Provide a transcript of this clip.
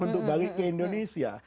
untuk balik ke indonesia